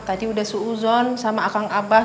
tadi udah suuzon sama akang abah